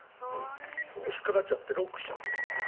引っかかってロックしちゃってるからね。